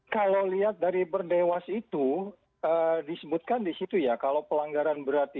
kalau lihat dari berdewas itu disebutkan di situ ya kalau pelanggaran berat